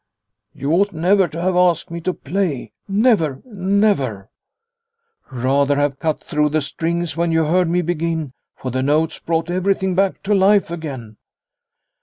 " You ought never to have asked me to play never never ! Rather have cut through the strings when you heard me begin, for the notes brought everything back to life again."